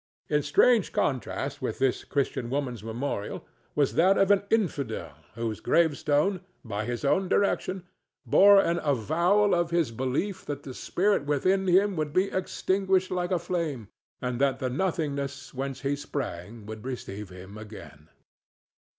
In strange contrast with this Christian woman's memorial was that of an infidel whose gravestone, by his own direction, bore an avowal of his belief that the spirit within him would be extinguished like a flame, and that the nothingness whence he sprang would receive him again.